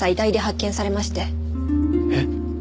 えっ？